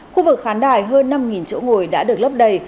khu vực khán đài hơn năm chỗ ngồi đã được lấp đầy